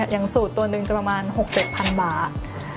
อย่างสูตรตัวหนึ่งก็ประมาณ๖๗๐๐บาท